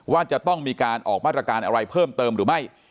ว่าจะต้องมีการออกมาตรการอะไรเพิ่มเติมหรือไม่